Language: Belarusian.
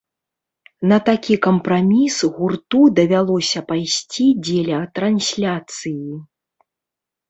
На такі кампраміс гурту давялося пайсці дзеля трансляцыі.